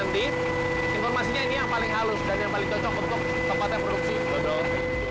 kita akan lihat nanti informasinya ini yang paling halus dan yang paling cocok untuk tempatnya produksi dodol